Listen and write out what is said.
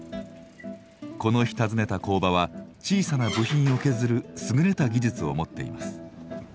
この日訪ねた工場は小さな部品を削る優れた技術を持っています。